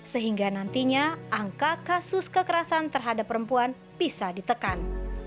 sehingga nantinya angka kasus kekerasan terhadap perempuan bisa ditekan